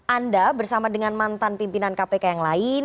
anda bersama dengan mantan pimpinan kpk yang lain